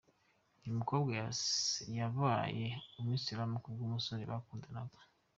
Uyu mukobwa yabaye umuyisilamu ku bw’umusore bakundanaga.